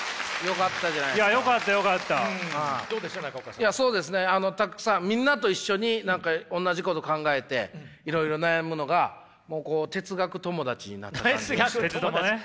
いやそうですねたくさんみんなと一緒に何か同じこと考えていろいろ悩むのがもうこう哲学友達になった感じがして。